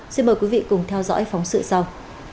xin mời quý vị cùng theo dõi phóng sự sau